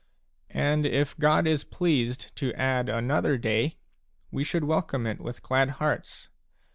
And if God is pleased to add another day, we should welcome it with glad hearts.